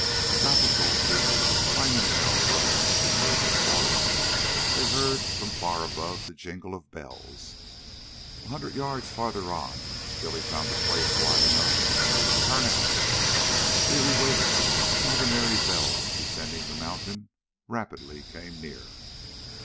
South of Gold Beach, climbing a narrow road through the virgin forest, they heard from far above the jingle of bells. A hundred yards farther on Billy found a place wide enough to turn out. Here he waited, while the merry bells, descending the mountain, rapidly came near.